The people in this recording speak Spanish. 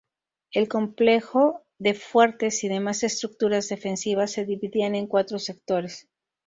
El complejo de fuertes y demás estructuras defensivas se dividían en cuatro sectores.